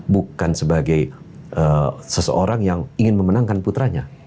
bukan sebagai seseorang yang ingin memenangkan putranya